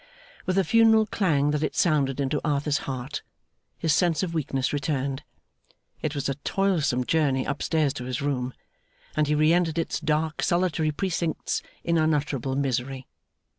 With the funeral clang that it sounded into Arthur's heart, his sense of weakness returned. It was a toilsome journey up stairs to his room, and he re entered its dark solitary precincts in unutterable misery.